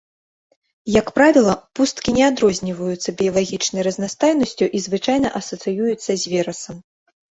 Як правіла, пусткі не адрозніваюцца біялагічнай разнастайнасцю і звычайна асацыююцца з верасам.